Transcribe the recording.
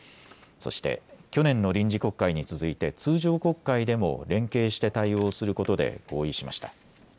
そして去年の臨時国会に続いて通常国会でも連携して対応することで合意しました。